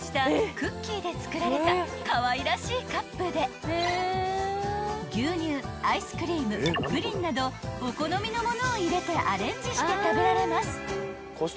作られたかわいらしいカップで牛乳アイスクリームプリンなどお好みのものを入れてアレンジして食べられます］